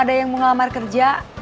ada yang mau ngelamar kerja